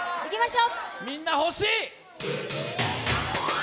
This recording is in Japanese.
みんな欲しい！